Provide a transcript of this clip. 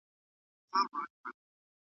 نر اوښځي ټول له وهمه رېږدېدله ,